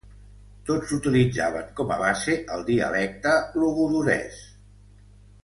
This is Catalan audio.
Tots utilitzaven com a base el dialecte logudorès.